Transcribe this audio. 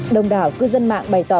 đông đảo cư dân mạng bày tỏ